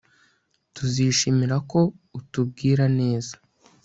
Tuzishimira ko utubwira neza